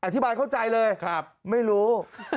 อธิบายเข้าใจเลยไม่รู้